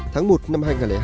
tháng một năm hai nghìn hai